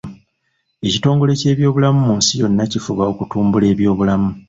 Ekitongole ky’ebyobulamu mu nsi yonna kifuba okutumbula ebyobulamu.